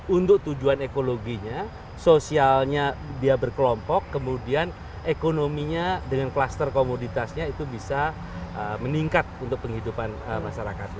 untuk tujuan ekologinya sosialnya dia berkelompok kemudian ekonominya dengan kluster komoditasnya itu bisa meningkat untuk penghidupan masyarakat